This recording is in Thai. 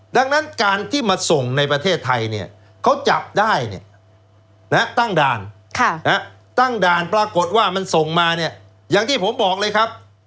ดังนั้นการที่มาส่งในประเทศไทยเนี่ยเขาจับได้เนี่ยตั้งด่านตั้งด่านปรากฏว่ามันส่งมาเนี่ยอย่างที่ผมบอกเลยครับ